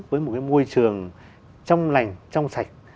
với một cái môi trường trong lành trong sạch